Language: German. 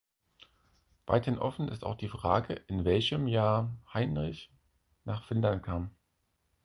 Weiterhin offen ist auch die Frage, in welchem Jahr Heinrich nach Finnland kam.